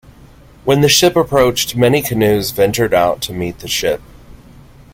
When the ship approached, many canoes ventured out to meet the ship.